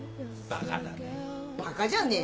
バカだね。